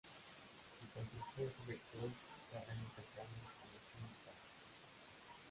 Su construcción se efectuó terrenos cercanos al Kings Park.